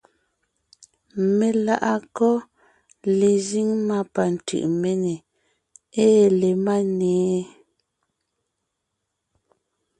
Meláʼakɔ́ lezíŋ má pa Tʉʼméne ée le Máne?